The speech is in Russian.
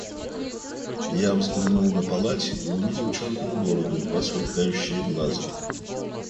Я взглянул на полати и увидел черную бороду и два сверкающие глаза.